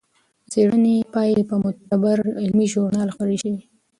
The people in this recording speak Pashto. د څېړنې پایلې په معتبر علمي ژورنال خپرې شوې.